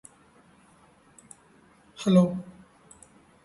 See for example Neumann boundary condition.